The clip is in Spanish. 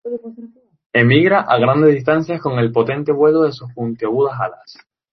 Emigra a grandes distancias, con el potente vuelo de sus puntiagudas alas.